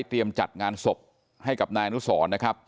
จัดงานศพให้กับนายอนุสรนะครับ